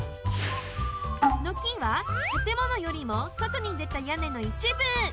軒はたてものよりもそとにでたやねのいちぶ。